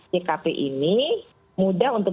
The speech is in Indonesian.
jkp ini mudah untuk